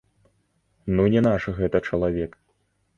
Ну не наш гэта чалавек.